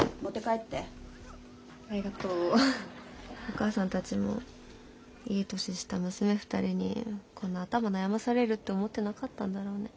お母さんたちもいい年した娘２人にこんな頭悩ませられるって思ってなかったんだろうね。